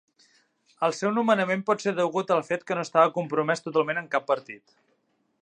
El seu nomenament pot ser degut al fet que no estava compromès totalment amb cap partit.